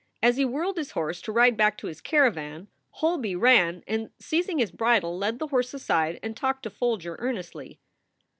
As he whirled his horse to ride back to his caravan, Holby ran and, seizing his bridle, led the horse aside and talked to Folger earnestly.